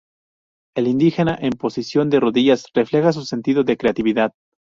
El indígena en posición de rodillas refleja su sentido de creatividad.